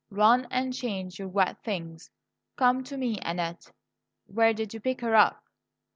Run and change your wet things. Come to me, Annette. Where did you pick her up?"